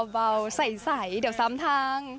เบาใสเดี๋ยวซ้ำทาง